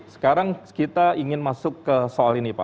sekarang kita ingin masuk ke soal ini pak